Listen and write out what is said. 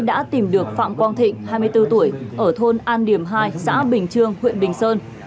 đã tìm được phạm quang thịnh hai mươi bốn tuổi ở thôn an điểm hai xã bình trương huyện bình sơn